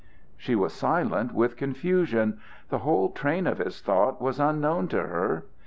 She was silent with confusion. The whole train of his thought was unknown to her.